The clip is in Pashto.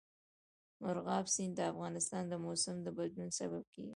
مورغاب سیند د افغانستان د موسم د بدلون سبب کېږي.